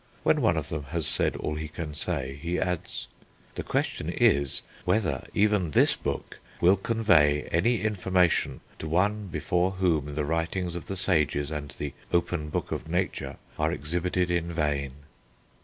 When one of them has said all he can say, he adds "The question is whether even this book will convey any information to one before whom the writings of the Sages and the open book of Nature are exhibited in vain."